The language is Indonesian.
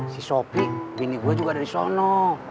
si sopi bini gue juga ada disono